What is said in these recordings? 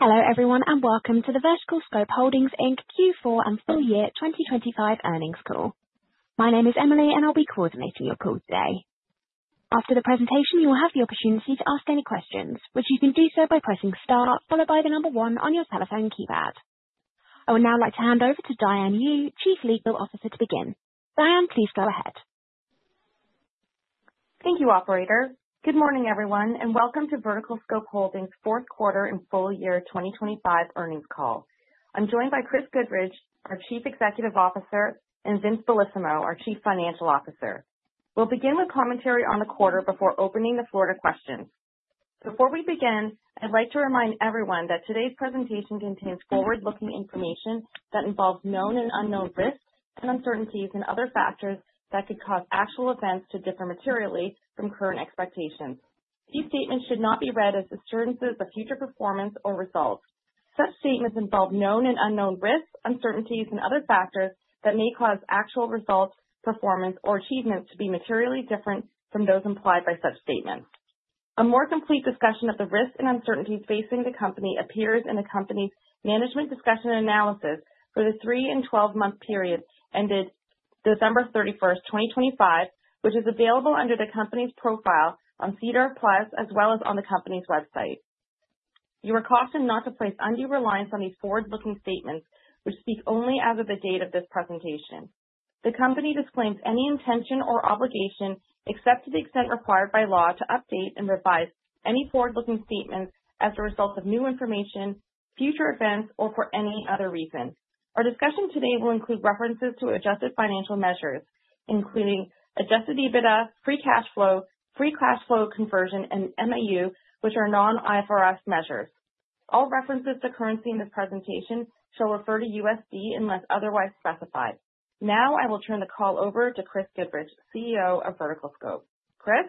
Hello everyone, welcome to the VerticalScope Holdings Inc Q4 and full year 2025 earnings call. My name is Emily, I'll be coordinating your call today. After the presentation, you will have the opportunity to ask any questions, which you can do so by pressing star followed by 1 on your telephone keypad. I would now like to hand over to Diane Yu, Chief Legal Officer, to begin. Diane, please go ahead. Thank you, operator. Good morning, everyone, and welcome to VerticalScope Holdings fourth quarter and full year 2025 earnings call. I'm joined by Chris Goodridge, our Chief Executive Officer, and Vince Bellissimo, our Chief Financial Officer. We'll begin with commentary on the quarter before opening the floor to questions. Before we begin, I'd like to remind everyone that today's presentation contains forward-looking information that involves known and unknown risks, and uncertainties and other factors that could cause actual events to differ materially from current expectations. These statements should not be read as assurances of future performance or results. Such statements involve known and unknown risks, uncertainties, and other factors that may cause actual results, performance, or achievements to be materially different from those implied by such statements. A more complete discussion of the risks and uncertainties facing the company appears in the company's management discussion and analysis for the 3 and 12-month period ended December 31st, 2025, which is available under the company's profile on SEDAR+ as well as on the company's website. You are cautioned not to place undue reliance on these forward-looking statements, which speak only as of the date of this presentation. The company disclaims any intention or obligation, except to the extent required by law, to update and revise any forward-looking statements as a result of new information, future events, or for any other reason. Our discussion today will include references to adjusted financial measures, including adjusted EBITDA, free cash flow, free cash flow conversion, and MAU, which are non-IFRS measures. All references to currency in this presentation shall refer to USD unless otherwise specified. Now I will turn the call over to Chris Goodridge, CEO of VerticalScope. Chris.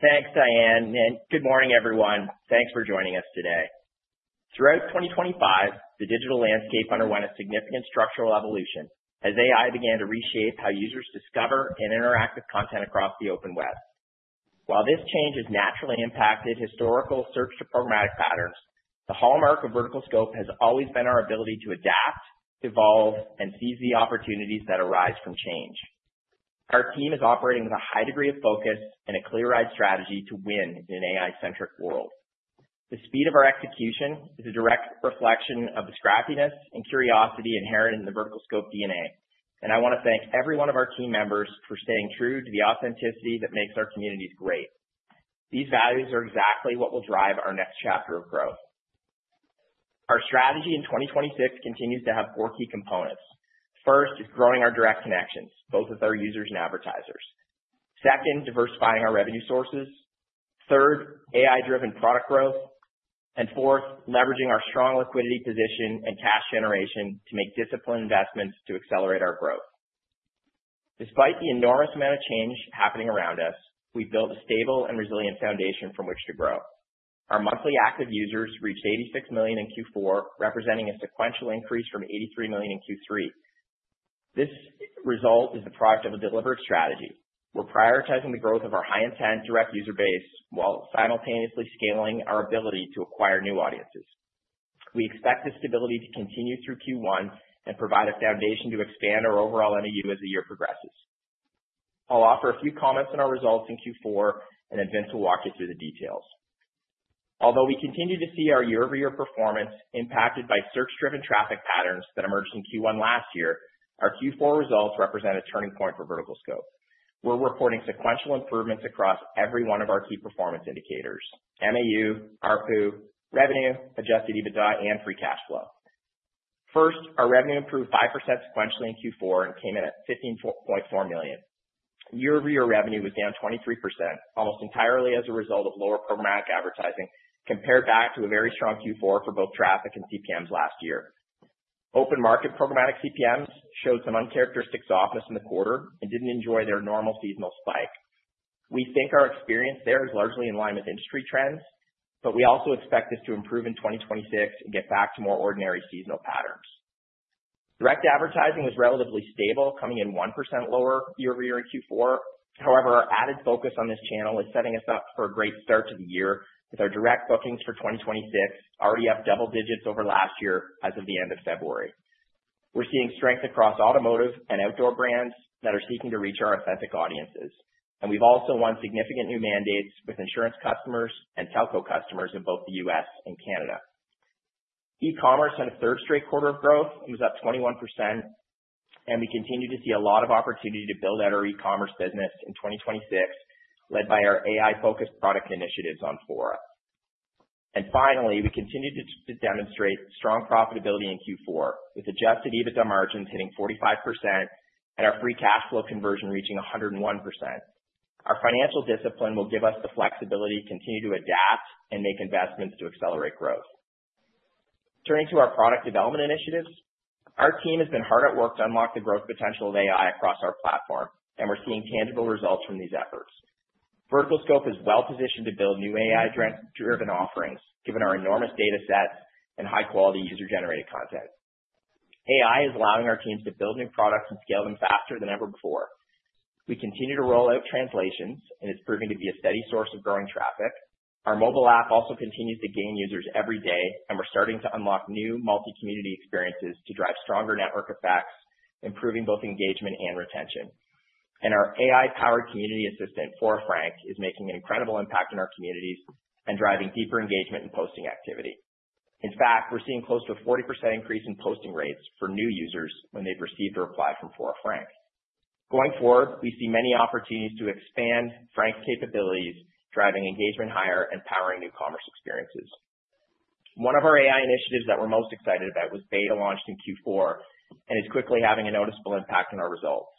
Thanks, Diane. Good morning, everyone. Thanks for joining us today. Throughout 2025, the digital landscape underwent a significant structural evolution as AI began to reshape how users discover and interact with content across the open web. While this change has naturally impacted historical search to programmatic patterns, the hallmark of VerticalScope has always been our ability to adapt, evolve, and seize the opportunities that arise from change. Our team is operating with a high degree of focus and a clear eye strategy to win in an AI-centric world. The speed of our execution is a direct reflection of the scrappiness and curiosity inherent in the VerticalScope DNA. I wanna thank every one of our team members for staying true to the authenticity that makes our communities great. These values are exactly what will drive our next chapter of growth. Our strategy in 2026 continues to have 4 key components. First is growing our direct connections, both with our users and advertisers. Second, diversifying our revenue sources. Third, AI-driven product growth, and fourth, leveraging our strong liquidity position and cash generation to make disciplined investments to accelerate our growth. Despite the enormous amount of change happening around us, we've built a stable and resilient foundation from which to grow. Our monthly active users reached 86 million in Q4, representing a sequential increase from 83 million in Q3. This result is the product of a deliberate strategy. We're prioritizing the growth of our high-intent direct user base while simultaneously scaling our ability to acquire new audiences. We expect this stability to continue through Q1 and provide a foundation to expand our overall MAU as the year progresses. I'll offer a few comments on our results in Q4, and then Vince will walk you through the details. Although we continue to see our year-over-year performance impacted by search-driven traffic patterns that emerged in Q1 last year, our Q4 results represent a turning point for VerticalScope. We're reporting sequential improvements across every one of our key performance indicators: MAU, ARPU, revenue, adjusted EBITDA, and free cash flow. First, our revenue improved 5% sequentially in Q4 and came in at $15.4 million. Year-over-year revenue was down 23% almost entirely as a result of lower programmatic advertising compared back to a very strong Q4 for both traffic and CPMs last year. Open market programmatic CPMs showed some uncharacteristic softness in the quarter and didn't enjoy their normal seasonal spike. We think our experience there is largely in line with industry trends. We also expect this to improve in 2026 and get back to more ordinary seasonal patterns. Direct advertising was relatively stable, coming in 1% lower year-over-year in Q4. Our added focus on this channel is setting us up for a great start to the year with our direct bookings for 2026 already up double digits over last year as of the end of February. We've also won significant new mandates with insurance customers and telco customers in both the US and Canada. E-commerce had a third straight quarter of growth. It was up 21%, and we continue to see a lot of opportunity to build out our e-commerce business in 2026, led by our AI-focused product initiatives on Fora. Finally, we continued to demonstrate strong profitability in Q4 with adjusted EBITDA margins hitting 45% and our free cash flow conversion reaching 101%. Our financial discipline will give us the flexibility to continue to adapt and make investments to accelerate growth. Turning to our product development initiatives. Our team has been hard at work to unlock the growth potential of AI across our platform, and we're seeing tangible results from these efforts. VerticalScope is well-positioned to build new AI-driven offerings given our enormous datasets and high-quality user-generated content. AI is allowing our teams to build new products and scale them faster than ever before. We continue to roll out translations, it's proving to be a steady source of growing traffic. Our mobile app also continues to gain users every day, we're starting to unlock new multi-community experiences to drive stronger network effects, improving both engagement and retention. Our AI-powered community assistant, Fora Frank, is making an incredible impact in our communities and driving deeper engagement and posting activity. In fact, we're seeing close to a 40% increase in posting rates for new users when they've received a reply from Fora Frank. Going forward, we see many opportunities to expand Frank's capabilities, driving engagement higher and powering new commerce experiences. One of our AI initiatives that we're most excited about was beta launched in Q4 and is quickly having a noticeable impact on our results.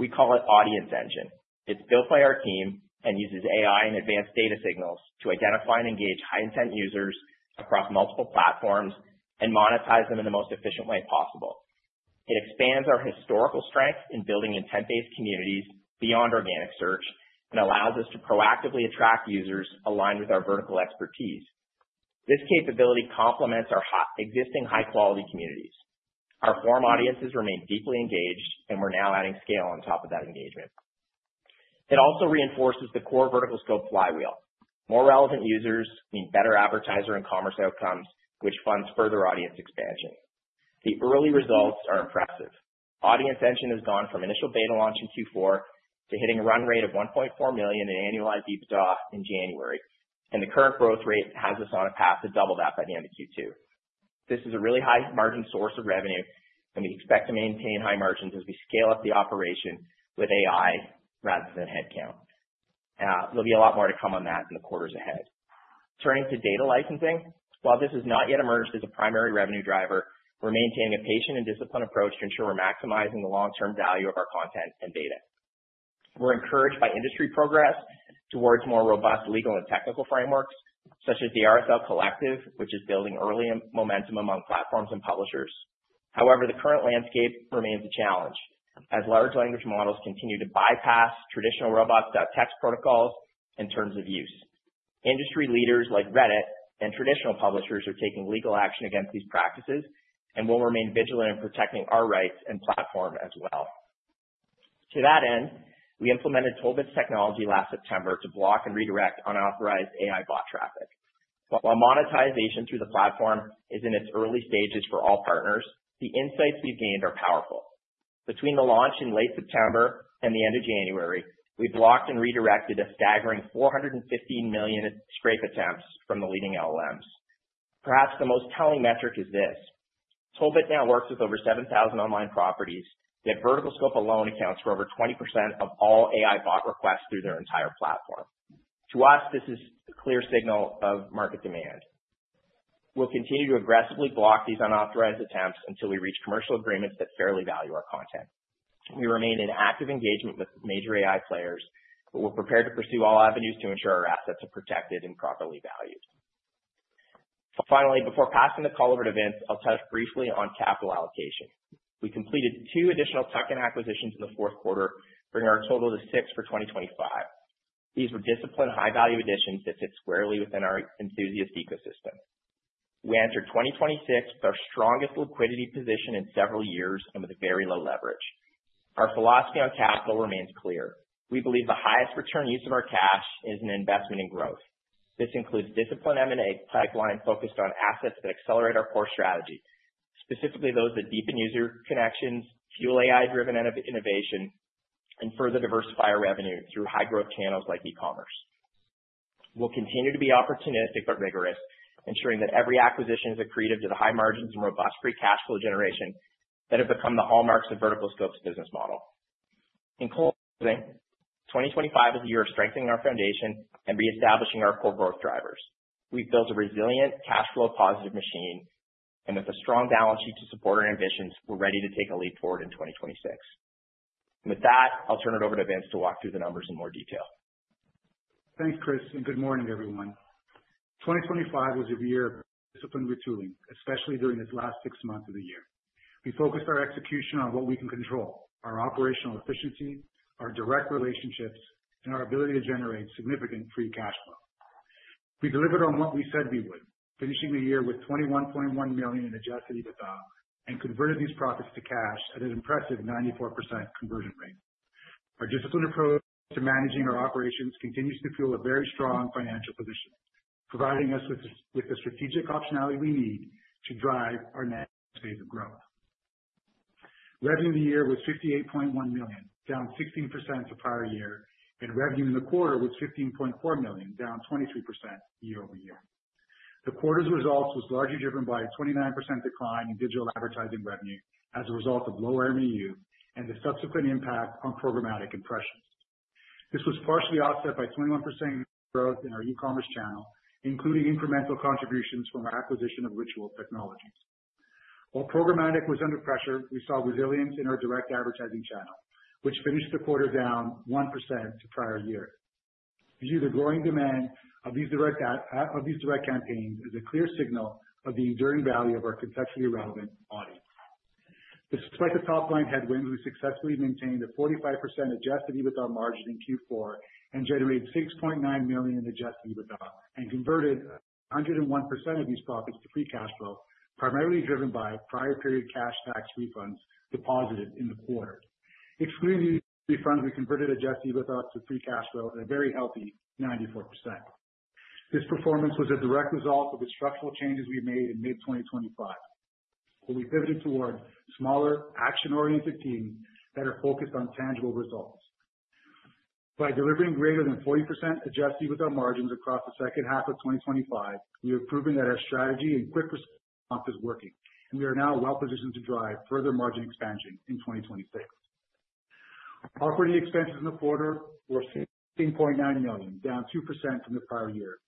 We call it Audience Engine. It's built by our team and uses AI and advanced data signals to identify and engage high-intent users across multiple platforms and monetize them in the most efficient way possible. It expands our historical strength in building intent-based communities beyond organic search and allows us to proactively attract users aligned with our vertical expertise. This capability complements our existing high-quality communities. Our forum audiences remain deeply engaged, and we're now adding scale on top of that engagement. It also reinforces the core VerticalScope flywheel. More relevant users mean better advertiser and commerce outcomes, which funds further audience expansion. The early results are impressive. Audience Engine has gone from initial beta launch in Q4 to hitting a run rate of $1.4 million in annualized EBITDA in January, and the current growth rate has us on a path to double that by the end of Q2. This is a really high-margin source of revenue, and we expect to maintain high margins as we scale up the operation with AI rather than headcount. There'll be a lot more to come on that in the quarters ahead. Turning to data licensing. While this has not yet emerged as a primary revenue driver, we're maintaining a patient and disciplined approach to ensure we're maximizing the long-term value of our content and data. We're encouraged by industry progress towards more robust legal and technical frameworks, such as the RSL Collective, which is building early momentum among platforms and publishers. However, the current landscape remains a challenge as large language models continue to bypass traditional robots.txt protocols and terms of use. Industry leaders like Reddit and traditional publishers are taking legal action against these practices, and we'll remain vigilant in protecting our rights and platform as well. To that end, we implemented TollBit's technology last September to block and redirect unauthorized AI bot traffic. While monetization through the platform is in its early stages for all partners, the insights we've gained are powerful. Between the launch in late September and the end of January, we've blocked and redirected a staggering 415 million scrape attempts from the leading LLMs. Perhaps the most telling metric is this: TollBit now works with over 7,000 online properties, yet VerticalScope alone accounts for over 20% of all AI bot requests through their entire platform. To us, this is a clear signal of market demand. We'll continue to aggressively block these unauthorized attempts until we reach commercial agreements that fairly value our content. We remain in active engagement with major AI players. We're prepared to pursue all avenues to ensure our assets are protected and properly valued. Finally, before passing the call over to Vince, I'll touch briefly on capital allocation. We completed 2 additional tuck-in acquisitions in the fourth quarter, bringing our total to 6 for 2025. These were disciplined high-value additions that fit squarely within our enthusiast ecosystem. We enter 2026 with our strongest liquidity position in several years and with very low leverage. Our philosophy on capital remains clear. We believe the highest return use of our cash is an investment in growth. This includes disciplined M&A pipeline focused on assets that accelerate our core strategy, specifically those that deepen user connections, fuel AI-driven innovation, and further diversify our revenue through high-growth channels like e-commerce. We'll continue to be opportunistic but rigorous, ensuring that every acquisition is accretive to the high margins and robust free cash flow generation that have become the hallmarks of VerticalScope's business model. In closing, 2025 is a year of strengthening our foundation and reestablishing our core growth drivers. We've built a resilient cash flow positive machine, and with a strong balance sheet to support our ambitions, we're ready to take a leap forward in 2026. With that, I'll turn it over to Vince to walk through the numbers in more detail. Thanks, Chris. Good morning, everyone. 2025 was a year of disciplined retooling, especially during this last 6 months of the year. We focused our execution on what we can control: our operational efficiency, our direct relationships, and our ability to generate significant free cash flow. We delivered on what we said we would, finishing the year with $21.1 million in adjusted EBITDA and converted these profits to cash at an impressive 94% conversion rate. Our disciplined approach to managing our operations continues to fuel a very strong financial position, providing us with the strategic optionality we need to drive our next phase of growth. Revenue of the year was $58.1 million, down 16% to prior year. Revenue in the quarter was $15.4 million, down 22% year-over-year. The quarter's results was largely driven by a 29% decline in digital advertising revenue as a result of lower MAU and the subsequent impact on programmatic impressions. This was partially offset by 21% growth in our e-commerce channel, including incremental contributions from our acquisition of Ritual Technologies. While programmatic was under pressure, we saw resilience in our direct advertising channel, which finished the quarter down 1% to prior year. We view the growing demand of these direct campaigns as a clear signal of the enduring value of our contextually relevant audience. Despite the top line headwinds, we successfully maintained a 45% adjusted EBITDA margin in Q4 and generated $6.9 million adjusted EBITDA and converted 101% of these profits to free cash flow, primarily driven by prior period cash tax refunds deposited in the quarter. Excluding refunds, we converted adjusted EBITDA to free cash flow at a very healthy 94%. This performance was a direct result of the structural changes we made in mid-2025, when we pivoted towards smaller action-oriented teams that are focused on tangible results. By delivering greater than 40% adjusted EBITDA margins across the second half of 2025, we are proving that our strategy and quick response is working, and we are now well-positioned to drive further margin expansion in 2026. Operating expenses in the quarter were $16.9 million, down 2% from the prior year.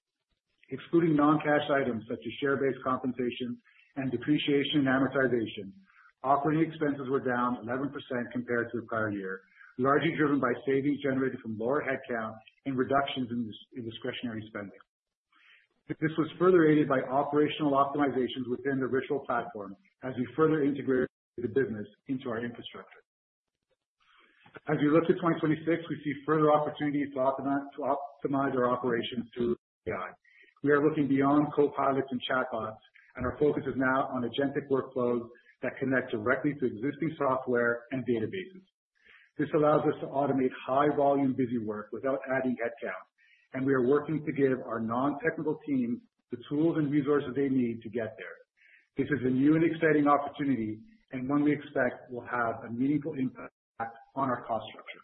Excluding non-cash items such as share-based compensation and depreciation and amortization, operating expenses were down 11% compared to the prior year, largely driven by savings generated from lower headcount and reductions in discretionary spending. This was further aided by operational optimizations within the VerticalScope platform as we further integrated the business into our infrastructure. As we look to 2026, we see further opportunities to optimize our operations through AI. We are looking beyond copilots and chatbots, and our focus is now on agentic workflows that connect directly to existing software and databases. This allows us to automate high volume busy work without adding headcount, and we are working to give our non-technical teams the tools and resources they need to get there. This is a new and exciting opportunity and one we expect will have a meaningful impact on our cost structure.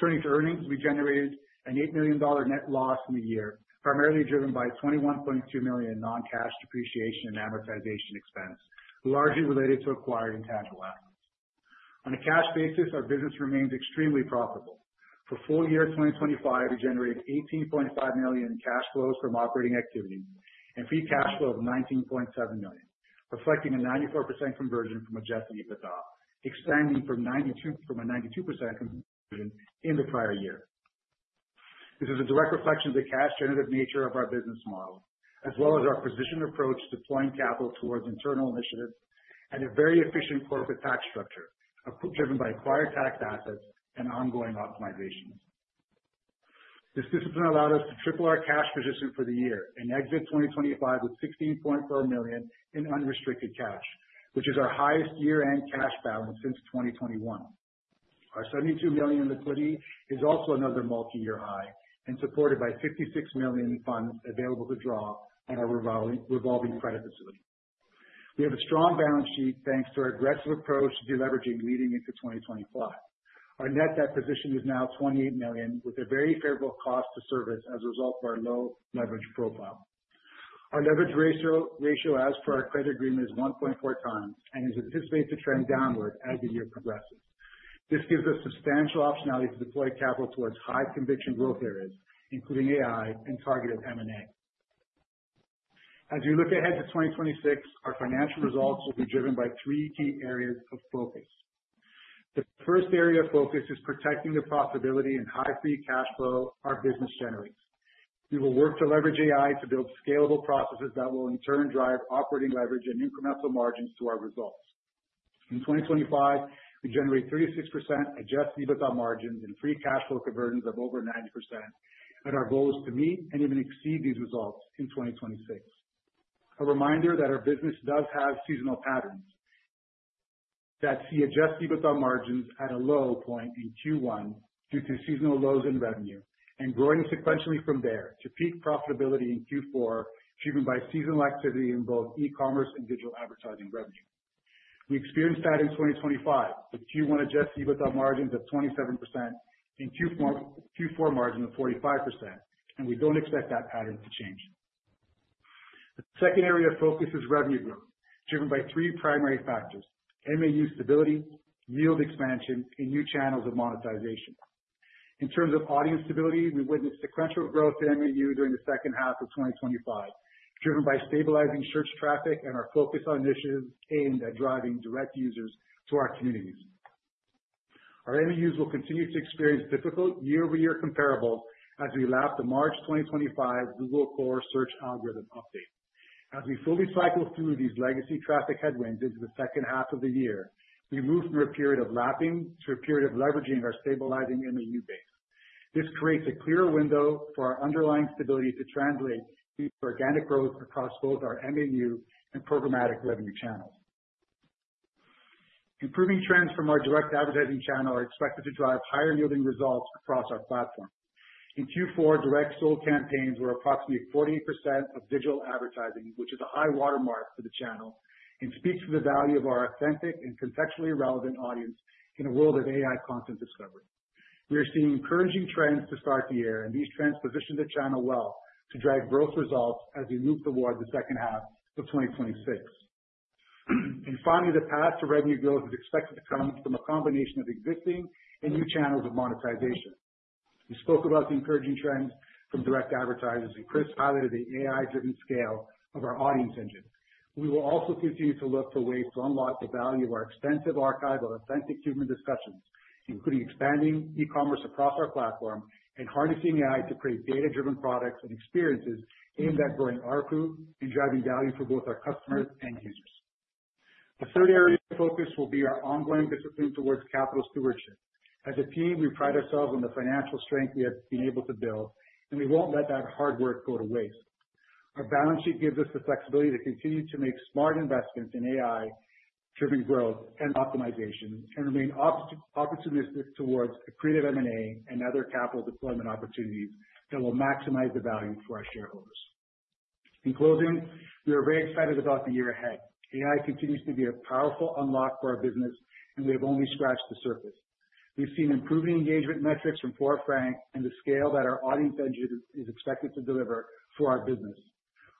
Turning to earnings, we generated an $8 million net loss in the year, primarily driven by $21.2 million non-cash depreciation and amortization expense, largely related to acquired intangible assets. On a cash basis, our business remains extremely profitable. For full year 2025, we generated $18.5 million cash flows from operating activities and free cash flow of $19.7 million, reflecting a 94% conversion from adjusted EBITDA, expanding from a 92% conversion in the prior year. This is a direct reflection of the cash generative nature of our business model, as well as our positioned approach deploying capital towards internal initiatives and a very efficient corporate tax structure, driven by acquired taxed assets and ongoing optimization. This discipline allowed us to triple our cash position for the year and exit 2025 with $16.4 million in unrestricted cash, which is our highest year-end cash balance since 2021. Our $72 million liquidity is also another multiyear high and supported by $56 million in funds available to draw on our revolving credit facility. We have a strong balance sheet, thanks to our aggressive approach to deleveraging leading into 2025. Our net debt position is now $28 million, with a very favorable cost to service as a result of our low leverage profile. Our leverage ratio as per our credit agreement is 1.4 times and is anticipated to trend downward as the year progresses. This gives us substantial optionality to deploy capital towards high conviction growth areas, including AI and targeted M&A. As we look ahead to 2026, our financial results will be driven by three key areas of focus. The first area of focus is protecting the profitability and high free cash flow our business generates. We will work to leverage AI to build scalable processes that will in turn drive operating leverage and incremental margins to our results. In 2025, we generated 36% adjusted EBITDA margins and free cash flow conversions of over 90% and our goal is to meet and even exceed these results in 2026. A reminder that our business does have seasonal patterns that see adjusted EBITDA margins at a low point in Q1 due to seasonal lows in revenue and growing sequentially from there to peak profitability in Q4, driven by seasonal activity in both e-commerce and digital advertising revenue. We experienced that in 2025, with Q1 adjusted EBITDA margins of 27% and Q4 margin of 45%, and we don't expect that pattern to change. The second area of focus is revenue growth, driven by three primary factors: MAU stability, yield expansion, and new channels of monetization. In terms of audience stability, we witnessed sequential growth in MAU during the second half of 2025, driven by stabilizing search traffic and our focus on initiatives aimed at driving direct users to our communities. Our MAUs will continue to experience difficult year-over-year comparables as we lap the March 2025 Google Core Update. As we fully cycle through these legacy traffic headwinds into the second half of the year, we move from a period of lapping to a period of leveraging our stabilizing MAU base. This creates a clearer window for our underlying stability to translate into organic growth across both our MAU and programmatic revenue channels. Improving trends from our direct advertising channel are expected to drive higher-yielding results across our platform. In Q4, direct sold campaigns were approximately 40% of digital advertising, which is a high watermark for the channel and speaks to the value of our authentic and contextually relevant audience in a world of AI content discovery. We are seeing encouraging trends to start the year, and these trends position the channel well to drive growth results as we move toward the second half of 2026. Finally, the path to revenue growth is expected to come from a combination of existing and new channels of monetization. We spoke about the encouraging trends from direct advertisers, and Chris Goodridge highlighted the AI-driven scale of our Audience Engine. We will also continue to look for ways to unlock the value of our extensive archive of authentic human discussions. Including expanding e-commerce across our platform and harnessing AI to create data-driven products and experiences aimed at growing ARPU and driving value for both our customers and users. The third area of focus will be our ongoing discipline towards capital stewardship. As a team, we pride ourselves on the financial strength we have been able to build, and we won't let that hard work go to waste. Our balance sheet gives us the flexibility to continue to make smart investments in AI-driven growth and optimization and remain optimistic towards accretive M&A and other capital deployment opportunities that will maximize the value for our shareholders. In closing, we are very excited about the year ahead. AI continues to be a powerful unlock for our business, and we have only scratched the surface. We've seen improving engagement metrics from Fora Frank and the scale that our Audience Engine is expected to deliver for our business.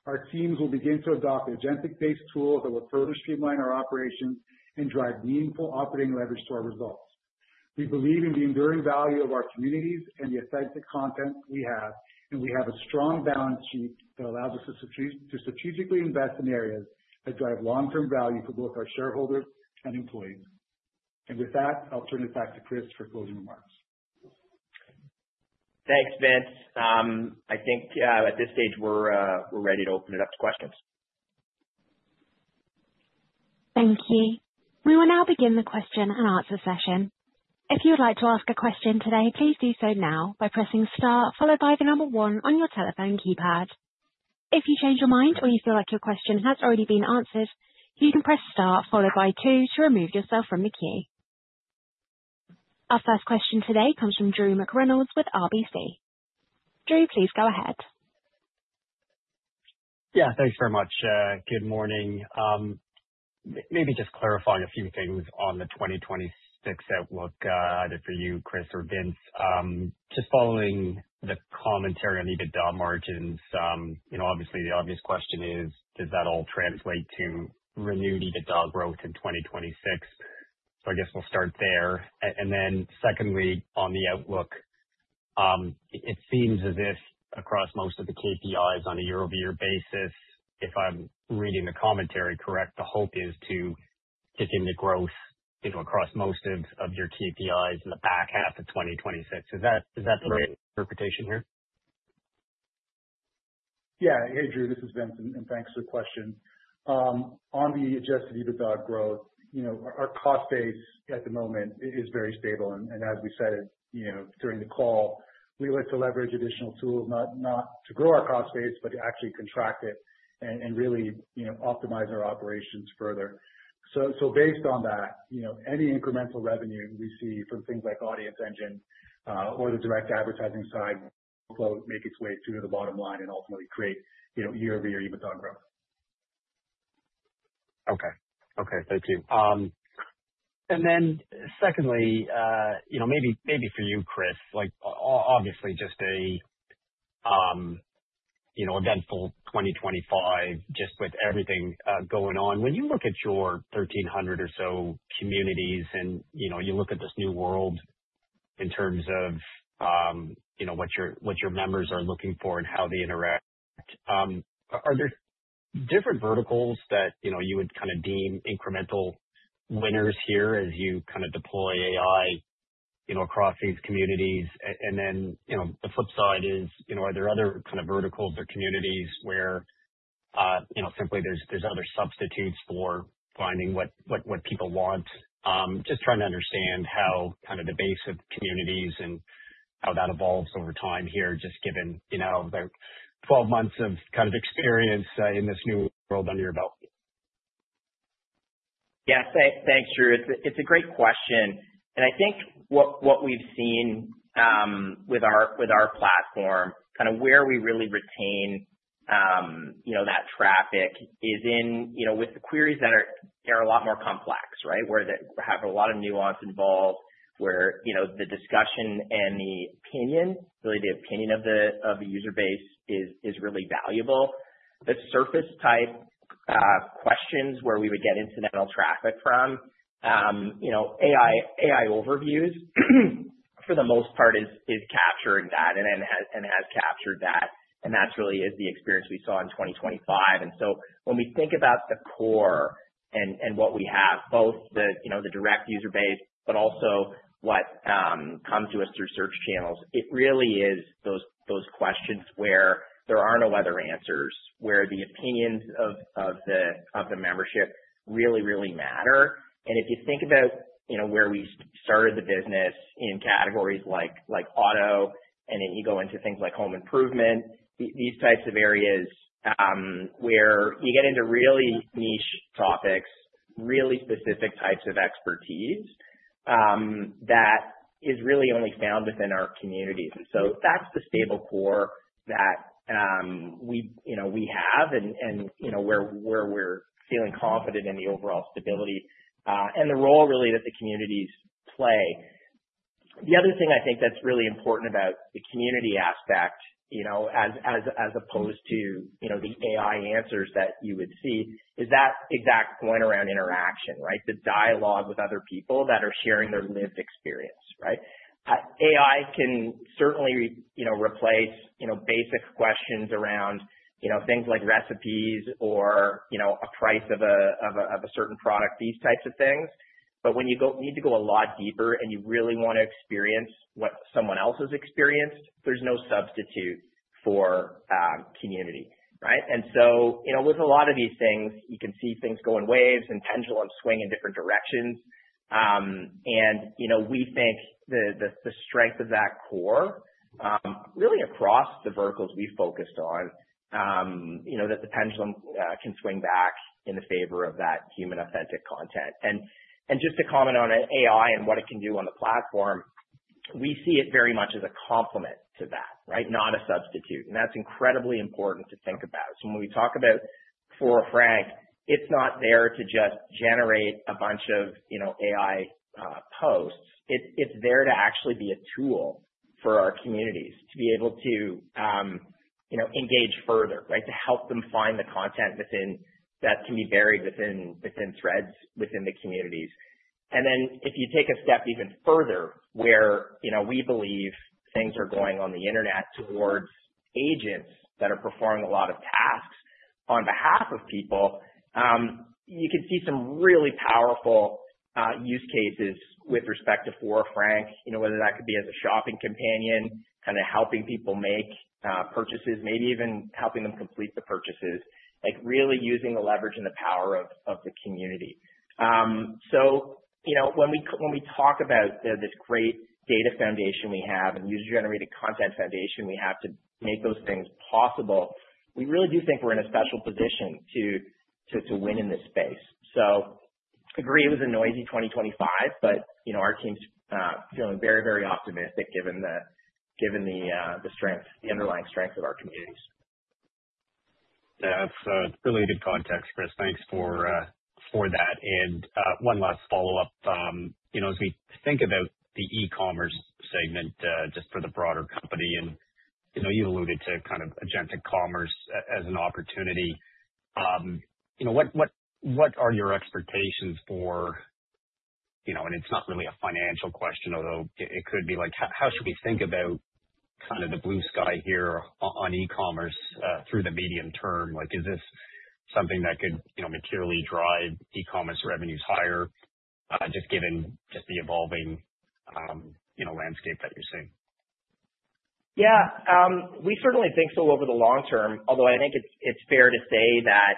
Our teams will begin to adopt agentic-based tools that will further streamline our operations and drive meaningful operating leverage to our results. We believe in the enduring value of our communities and the authentic content we have. We have a strong balance sheet that allows us to strategically invest in areas that drive long-term value for both our shareholders and employees. With that, I'll turn it back to Chris for closing remarks. Thanks, Vince. I think, at this stage, we're ready to open it up to questions. Thank you. We will now begin the question and answer session. If you would like to ask a question today, please do so now by pressing star followed by the number one on your telephone keypad. If you change your mind or you feel like your question has already been answered, you can press star followed by two to remove yourself from the queue. Our first question today comes from Drew McReynolds with RBC. Drew, please go ahead. Yeah, thanks very much. Good morning. Maybe just clarifying a few things on the 2026 outlook, either for you, Chris or Vince. Just following the commentary on EBITDA margins, you know, obviously the obvious question is, does that all translate to renewed EBITDA growth in 2026? I guess we'll start there. And then secondly, on the outlook, it seems as if across most of the KPIs on a year-over-year basis, if I'm reading the commentary correct, the hope is to kick into growth, you know, across most of your KPIs in the back half of 2026. Is that the right interpretation here? Yeah. Hey, Drew, this is Vince, and thanks for the question. On the adjusted EBITDA growth, you know, our cost base at the moment is very stable. As we said, you know, during the call, we look to leverage additional tools, not to grow our cost base, but to actually contract it and really, you know, optimize our operations further. Based on that, you know, any incremental revenue we see from things like Audience Engine, or the direct advertising side will flow, make its way through to the bottom line and ultimately create, you know, year-over-year EBITDA growth. Okay. Okay. Thank you. Secondly, you know, maybe for you, Chris, like obviously just a, you know, eventful 2025 just with everything going on. When you look at your 1,300 or so communities and, you know, you look at this new world in terms of, you know, what your members are looking for and how they interact, are there different verticals that, you know, you would kind of deem incremental winners here as you kind of deploy AI, you know, across these communities? Then, you know, the flip side is, you know, are there other kind of verticals or communities where, you know, simply there's other substitutes for finding what people want? Just trying to understand how the base of communities and how that evolves over time here, just given, you know, the 12 months of experience in this new world under your belt. Thanks, Drew. It's a great question. I think what we've seen with our platform, kind of where we really retain, you know, that traffic is in, you know, with the queries that are a lot more complex, right? Where they have a lot of nuance involved, where, you know, the discussion and the opinion, really the opinion of the user base is really valuable. The surface type questions where we would get incidental traffic from, you know, AI overviews for the most part is capturing that and has captured that. That's really is the experience we saw in 2025. When we think about the core and what we have, both the, you know, the direct user base, but also what come to us through search channels, it really is those questions where there are no other answers, where the opinions of the membership really matter. If you think about, you know, where we started the business in categories like auto, then you go into things like home improvement, these types of areas, where you get into really niche topics, really specific types of expertise, that is really only found within our communities. That's the stable core that, you know, we have and, you know, where we're feeling confident in the overall stability and the role really that the communities play. The other thing I think that's really important about the community aspect, you know, as opposed to, you know, the AI answers that you would see is that exact point around interaction, right. The dialogue with other people that are sharing their lived experience, right. AI can certainly, you know, replace, you know, basic questions around, you know, things like recipes or, you know, a price of a certain product, these types of things. When you need to go a lot deeper and you really want to experience what someone else has experienced, there's no substitute for community, right. You know, with a lot of these things, you can see things go in waves and pendulums swing in different directions. You know, we think the strength of that core, really across the verticals we focused on, you know, that the pendulum can swing back in the favor of that human authentic content. Just to comment on AI and what it can do on the platform, we see it very much as a complement to that, right? Not a substitute. That's incredibly important to think about. When we talk about Fora Frank, it's not there to just generate a bunch of, you know, AI posts. It's there to actually be a tool for our communities to be able to, you know, engage further, right? To help them find the content that can be buried within threads, within the communities. If you take a step even further, where, you know, we believe things are going on the Internet towards agents that are performing a lot of tasks on behalf of people, you can see some really powerful use cases with respect to Fora Frank, you know, whether that could be as a shopping companion, kind of helping people make purchases, maybe even helping them complete the purchases, like really using the leverage and the power of the community. You know, when we talk about this great data foundation we have and user-generated content foundation we have to make those things possible, we really do think we're in a special position to win in this space. Agree it was a noisy 2025, but, you know, our team's feeling very, very optimistic given the strength, the underlying strength of our communities. Yeah. It's a related context, Chris. Thanks for that. One last follow-up. You know, as we think about the e-commerce segment, just for the broader company, and, you know, you alluded to kind of agentic commerce as an opportunity. You know, what are your expectations for, you know, and it's not really a financial question, although it could be. Like, how should we think about kind of the blue sky here on e-commerce, through the medium term? Like, is this something that could, you know, materially drive e-commerce revenues higher, just given just the evolving, you know, landscape that you're seeing? Yeah. We certainly think so over the long term, although I think it's fair to say that,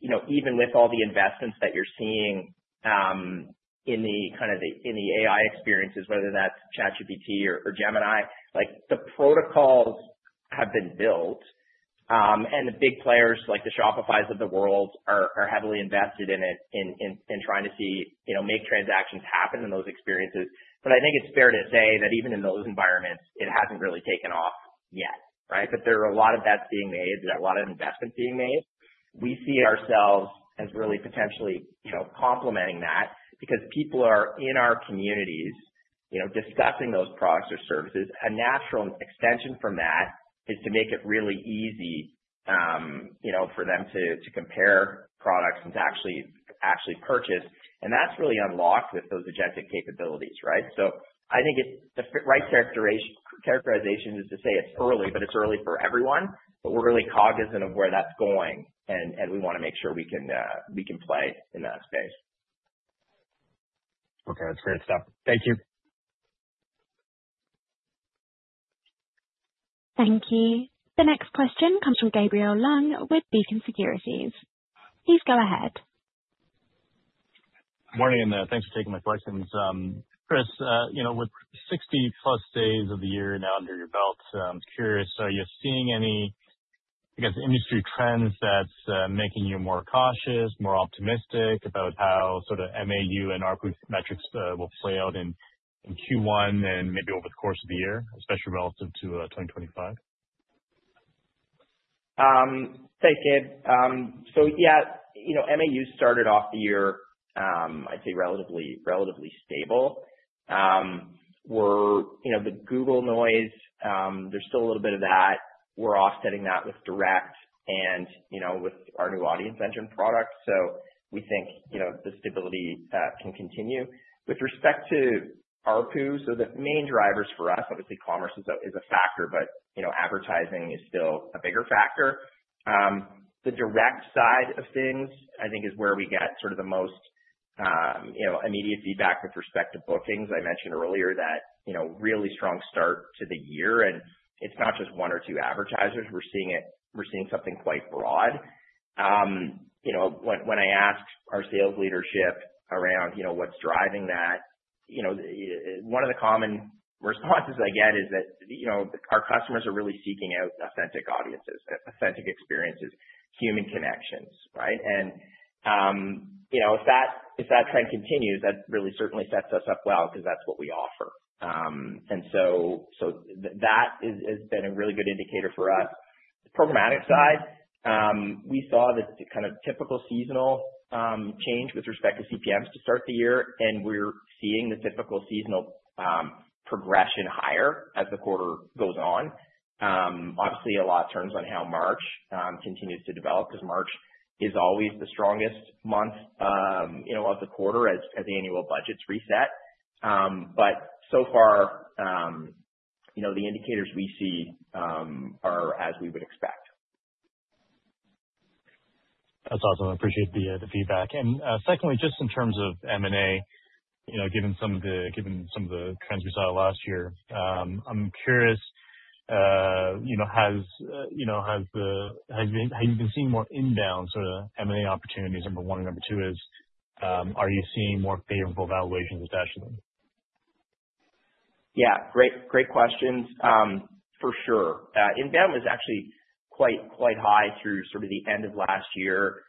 you know, even with all the investments that you're seeing, in the kind of the, in the AI experiences, whether that's ChatGPT or Gemini, like the protocols have been built. The big players like the Shopify of the world are heavily invested in it trying to see, you know, make transactions happen in those experiences. I think it's fair to say that even in those environments, it hasn't really taken off yet, right? There are a lot of bets being made, a lot of investment being made. We see ourselves as really potentially, you know, complementing that because people are in our communities, you know, discussing those products or services. A natural extension from that is to make it really easy, you know, for them to compare products and to actually purchase. That's really unlocked with those agentic capabilities, right? I think it's the right characterization is to say it's early, but it's early for everyone. We're really cognizant of where that's going and we wanna make sure we can play in that space. Okay. That's great stuff. Thank you. Thank you. The next question comes from Gabriel Leung with Beacon Securities. Please go ahead. Morning. Thanks for taking my questions. Chris, you know, with 60+ days of the year now under your belt, I'm curious, are you seeing any, I guess, industry trends that's making you more cautious, more optimistic about how sort of MAU and ARPU metrics will play out in Q1 and maybe over the course of the year, especially relative to 2025? Thanks, Gabe. Yeah, you know, MAU started off the year, I'd say relatively stable. You know, the Google noise, there's still a little bit of that. We're offsetting that with direct and, you know, with our new Audience Engine products. We think, you know, the stability can continue. With respect to ARPU, the main drivers for us, obviously commerce is a factor, you know, advertising is still a bigger factor. The direct side of things, I think, is where we get sort of the most, you know, immediate feedback with respect to bookings. I mentioned earlier that, you know, really strong start to the year, it's not just one or two advertisers. We're seeing something quite broad. You know, when I asked our sales leadership around, you know, what's driving that, one of the common responses I get is that, you know, our customers are really seeking out authentic audiences, authentic experiences, human connections, right? If that trend continues, that really certainly sets us up well because that's what we offer. That has been a really good indicator for us. The programmatic side, we saw the kind of typical seasonal change with respect to CPMs to start the year, and we're seeing the typical seasonal progression higher as the quarter goes on. Obviously a lot turns on how March continues to develop, because March is always the strongest month of the quarter as annual budgets reset. So far, you know, the indicators we see, are as we would expect. That's awesome. I appreciate the feedback. Secondly, just in terms of M&A, you know, given some of the trends we saw last year, I'm curious, you know, have you been seeing more inbound sort of M&A opportunities, number one? Number two is, are you seeing more favorable valuations especially? Yeah. Great, great questions. For sure. Inbound was actually quite high through sort of the end of last year,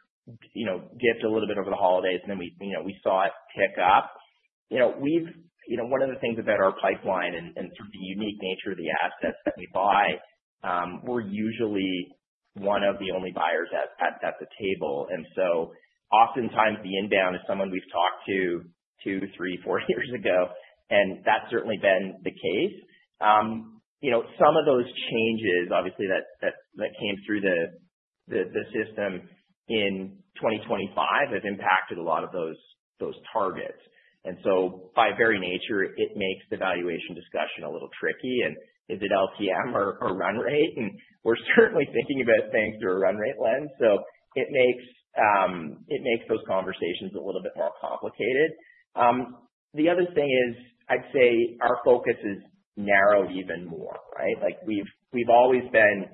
you know, dipped a little bit over the holidays and then we, you know, we saw it pick up. You know, one of the things about our pipeline and sort of the unique nature of the assets that we buy, we're usually one of the only buyers at the table. Oftentimes the inbound is someone we've talked to two, three, four years ago, and that's certainly been the case. You know, some of those changes obviously that came through the system in 2025 have impacted a lot of those targets. By very nature, it makes the valuation discussion a little tricky. Is it LTM or run rate? We're certainly thinking about things through a run rate lens. It makes those conversations a little bit more complicated. The other thing is, I'd say our focus is narrow even more, right? Like we've always been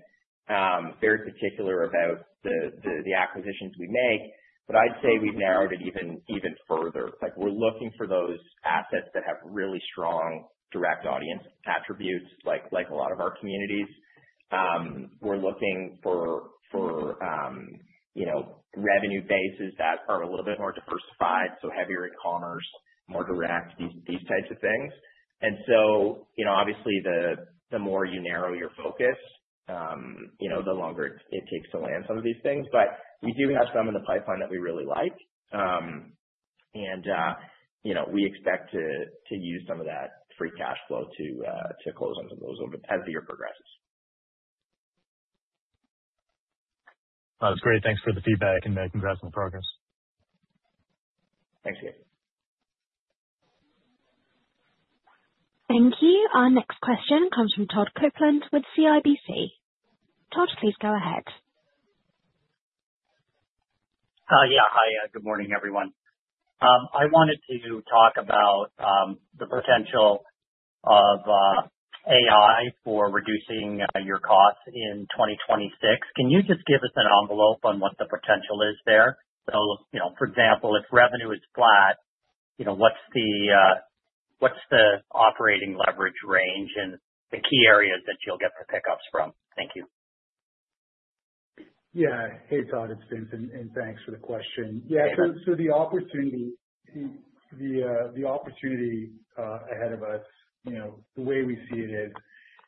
very particular about the acquisitions we make, but I'd say we've narrowed it even further. It's like we're looking for those assets that have really strong direct audience attributes, like a lot of our communities. We're looking for, you know, revenue bases that are a little bit more diversified, so heavier e-commerce, more direct, these types of things. You know, obviously the more you narrow your focus, you know, the longer it takes to land some of these things. We do have some in the pipeline that we really like. You know, we expect to use some of that free cash flow to close on some of those over as the year progresses. That's great. Thanks for the feedback and congrats on the progress. Thank you. Thank you. Our next question comes from Todd Coupland with CIBC. Todd, please go ahead. Yeah. Hi. Good morning, everyone. I wanted to talk about the potential of AI for reducing your costs in 2026. Can you just give us an envelope on what the potential is there? You know, for example, if revenue is flat, you know, what's the operating leverage range and the key areas that you'll get the pickups from? Thank you. Yeah. Hey, Todd, it's Vince, and thanks for the question. Yeah. The opportunity ahead of us, you know, the way we see it is,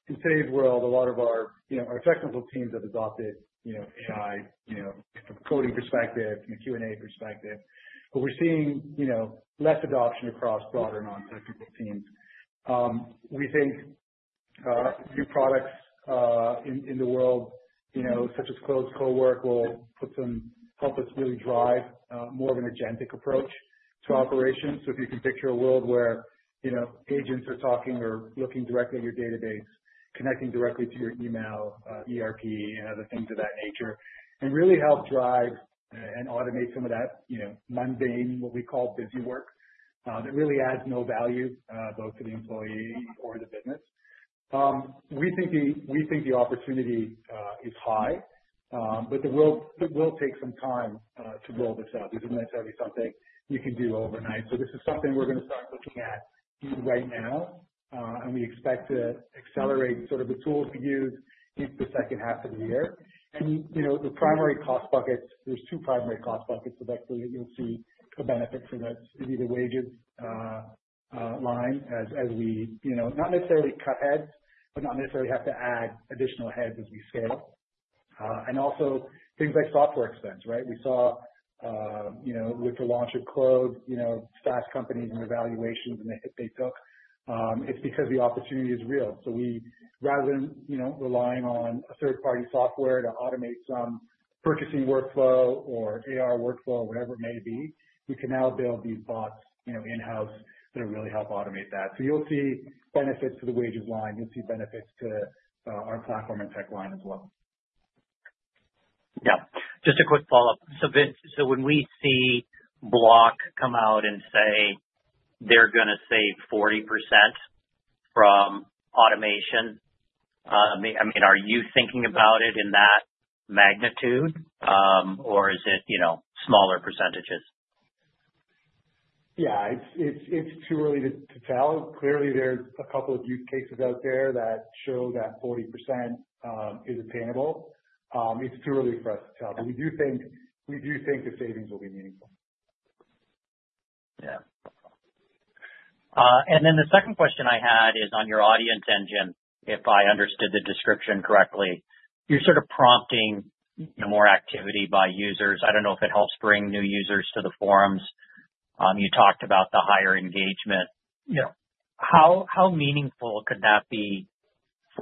in today's world a lot of our, you know, our technical teams have adopted, you know, AI, you know, from a coding perspective, from a Q&A perspective. We're seeing, you know, less adoption across broader non-technical teams. We think new products in the world, you know, such as Claude Cowork, help us really drive more of an agentic approach to operations. If you can picture a world where, you know, agents are talking or looking directly at your database, connecting directly to your email, ERP and other things of that nature, and really help drive and automate some of that, you know, mundane, what we call busy work, that really adds no value, both to the employee or the business. We think the opportunity is high, but it will take some time to roll this out. These are necessarily something you can do overnight. This is something we're gonna start looking at right now, and we expect to accelerate sort of the tools we use into the second half of the year. You know, the primary cost buckets, there's two primary cost buckets that actually you'll see a benefit from this is either wages line as we, you know, not necessarily cut heads, but not necessarily have to add additional heads as we scale. Also things like software expense, right? We saw, you know, with the launch of Clothes, you know, SaaS companies and evaluations and the hit they took, it's because the opportunity is real. We rather, you know, relying on a third party software to automate some purchasing workflow or AR workflow, whatever it may be, we can now build these bots, you know, in-house that'll really help automate that. You'll see benefits to the wages line. You'll see benefits to our platform and tech line as well. Yeah. Just a quick follow-up. When we see Block come out and say they're gonna save 40% from automation, I mean, are you thinking about it in that magnitude, or is it, you know, smaller percentages? Yeah. It's too early to tell. Clearly there's a couple of use cases out there that show that 40% is attainable. It's too early for us to tell. We do think, we do think the savings will be meaningful. The second question I had is on your Audience Engine. If I understood the description correctly, you're sort of prompting more activity by users. I don't know if it helps bring new users to the forums. You talked about the higher engagement. Yeah. How meaningful could that be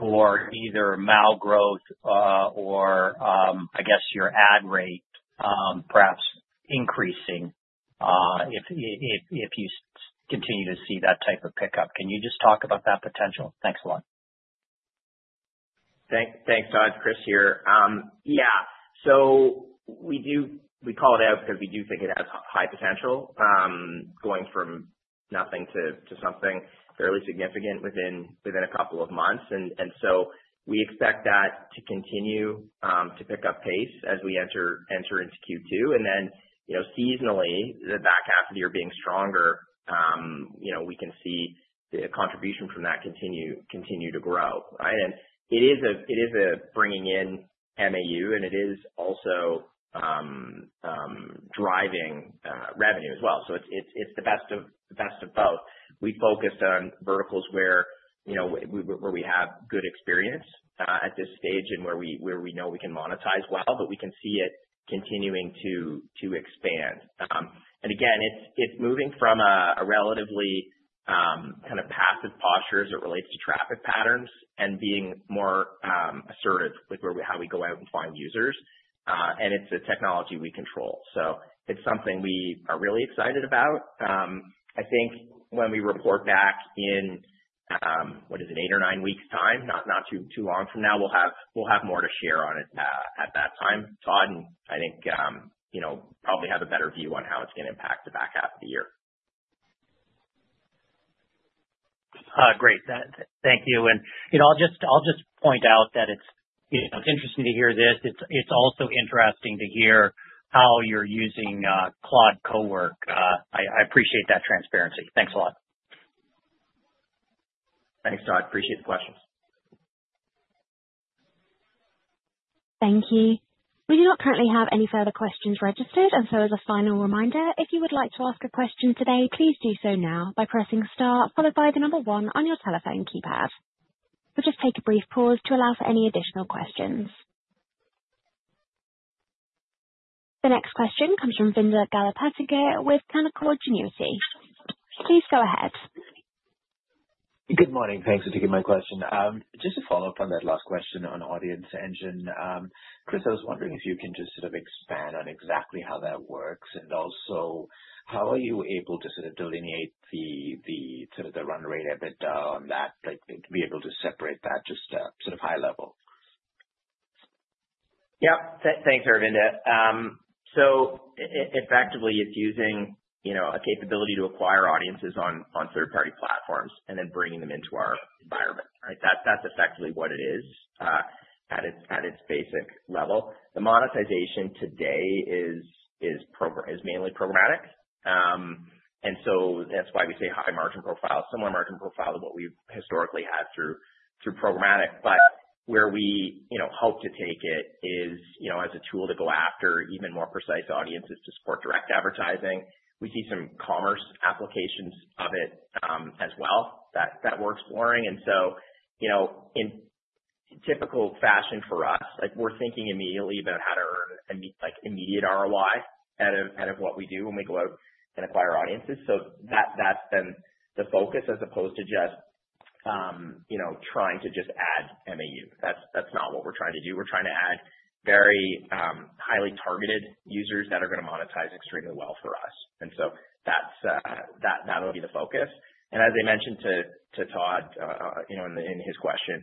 for either MAU growth, or I guess your ad rate, perhaps increasing, if you continue to see that type of pickup? Can you just talk about that potential? Thanks a lot. Thanks, Todd. Chris here. Yeah. We call it out because we do think it has high potential, going from nothing to something fairly significant within a couple of months. We expect that to continue, to pick up pace as we enter into Q2. You know, seasonally, the back half of the year being stronger, you know, we can see the contribution from that continue to grow, right? It is bringing in MAU and it is also driving revenue as well. It's the best of both. We focused on verticals where, you know, where we have good experience at this stage and where we know we can monetize well, but we can see it continuing to expand. Again, it's moving from a relatively kind of passive posture as it relates to traffic patterns and being more assertive with how we go out and find users. It's a technology we control. It's something we are really excited about. I think when we report back in, what is it? Eight or nine weeks time, not too long from now, we'll have more to share on it at that time, Todd. I think, you know, probably have a better view on how it's gonna impact the back half of the year. Great. Thank you. You know, I'll just point out that it's, you know, it's interesting to hear this. It's also interesting to hear how you're using Claude Cowork. I appreciate that transparency. Thanks a lot. Thanks, Todd. Appreciate the questions. Thank you. We do not currently have any further questions registered. As a final reminder, if you would like to ask a question today, please do so now by pressing star followed by 1 on your telephone keypad. We'll just take a brief pause to allow for any additional questions. The next question comes from Aravinda Galappatthige with Canaccord Genuity. Please go ahead. Good morning. Thanks for taking my question. Just to follow up on that last question on Audience Engine. Chris, I was wondering if you can just sort of expand on exactly how that works. How are you able to sort of delineate the sort of the run rate a bit on that, like, to be able to separate that just sort of high level? Thanks, Aravinda. Effectively it's using, you know, a capability to acquire audiences on third-party platforms and then bringing them into our environment, right? That's effectively what it is at its, at its basic level. The monetization today is mainly programmatic. That's why we say high margin profile, similar margin profile to what we've historically had through programmatic. Where we, you know, hope to take it is, you know, as a tool to go after even more precise audiences to support direct advertising. We see some commerce applications of it as well that we're exploring. You know, in typical fashion for us, like, we're thinking immediately about how to earn immediate ROI out of, out of what we do when we go out and acquire audiences. That's been the focus as opposed to just, you know, trying to just add MAU. That's not what we're trying to do. We're trying to add very highly targeted users that are gonna monetize extremely well for us. That's that'll be the focus. As I mentioned to Todd, you know, in his question,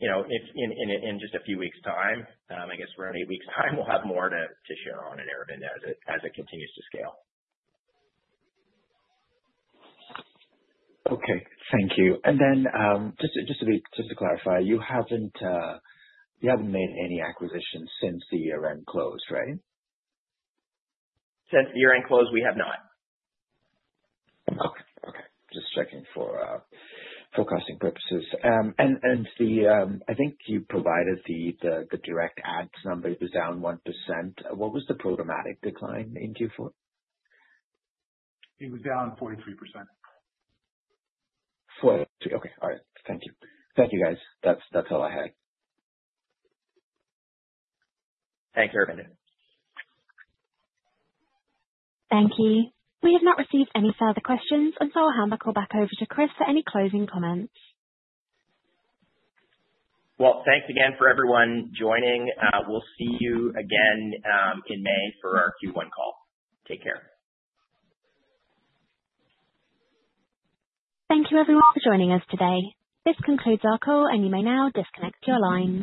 you know, if in just a few weeks' time, I guess we're in 8 weeks time we'll have more to share on it, Aravinda, as it continues to scale. Okay. Thank you. Just to clarify, you haven't made any acquisitions since the year-end close, right? Since the year-end close, we have not. Okay. Just checking for forecasting purposes. The I think you provided the direct ads number. It was down 1%. What was the programmatic decline in Q4? It was down 43%. 43. Okay. All right. Thank you. Thank you, guys. That's all I had. Thanks, Aravinda. Thank you. We have not received any further questions. I'll hand the call back over to Chris for any closing comments. Well, thanks again for everyone joining. We'll see you again in May for our Q1 call. Take care. Thank you everyone for joining us today. This concludes our call and you may now disconnect your lines.